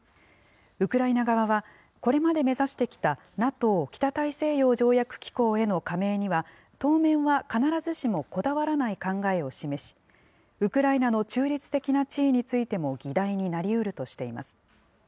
ウクライナ側は、これまで目指してきたＮＡＴＯ・北大西洋条約機構への加盟には当面は必ずしもこだわらない考えを示し、ウクライナの中立的な地位についても議題になりうるとしています。